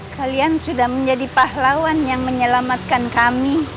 kalian sudah menjadi pahlawan yang menyelamatkan kami